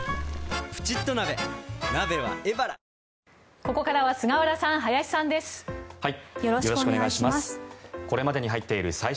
ここからは菅原さん、林さんです。